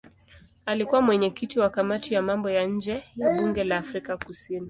Alikuwa mwenyekiti wa kamati ya mambo ya nje ya bunge la Afrika Kusini.